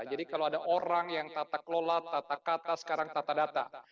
jadi kalau ada orang yang tata kelola tata kata sekarang tata data